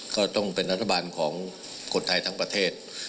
ก็ต้องเป็นรัฐบาลของคนไทยทั้งประเทศ